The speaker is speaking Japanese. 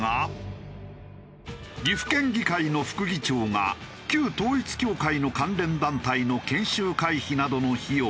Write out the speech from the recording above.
岐阜県議会の副議長が旧統一教会の関連団体の研修会費などの費用